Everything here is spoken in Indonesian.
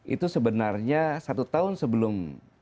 itu sebenarnya satu tahun sebelum